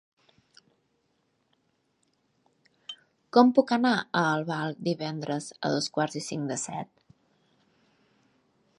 Com puc anar a Albal divendres a dos quarts i cinc de set?